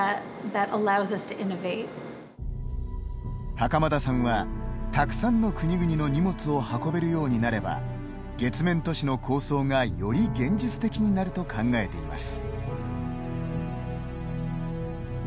袴田さんはたくさんの国々の荷物を運べるようになれば月面都市の構想がより現実的になると考えています。